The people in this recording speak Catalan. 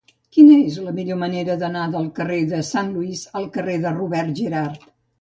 Quina és la millor manera d'anar del carrer de Saint Louis al carrer de Robert Gerhard?